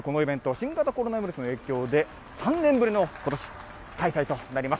新型コロナウイルスの影響で、３年ぶりの、ことし、開催となります。